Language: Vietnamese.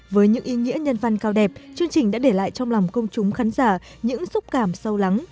với những ý nghĩa nhân văn cao đẹp chương trình đã để lại trong lòng công chúng khán giả những xúc cảm sâu lắng